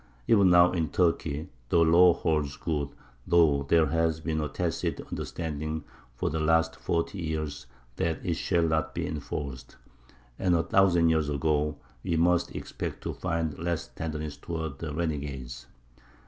Even now in Turkey the law holds good, though there has been a tacit understanding for the last forty years that it shall not be enforced; and a thousand years ago we must expect to find less tenderness towards renegades.